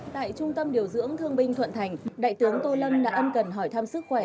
tại trung tâm điều dưỡng thương binh thuận thành đại tướng tô lâm đã ân cần hỏi thăm sức khỏe